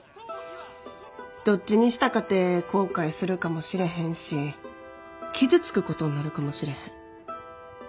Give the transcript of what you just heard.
どっちにしたかて後悔するかもしれへんし傷つくことになるかもしれへん。